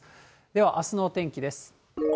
ではあすの天気です。